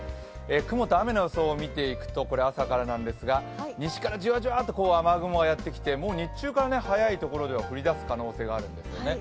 雲と雨の予想を見ていくと、これ朝からなんですが、西からジワジワと雨雲がやってきて日中から早いところでは降り出す可能性があるんですよね。